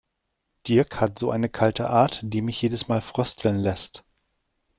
Dirk hat so eine kalte Art, die mich jedes Mal frösteln lässt.